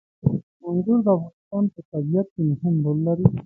انګور د افغانستان په طبیعت کې مهم رول لري.